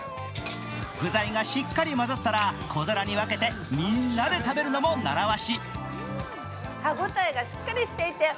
具材がしっかり混ざったら小皿に分けてみんなで食べるのも習わし。